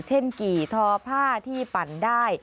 กี่ทอผ้าที่ปั่นได้